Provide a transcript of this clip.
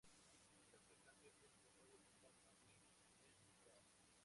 El atacante fue identificado como Adil Ahmed Dar.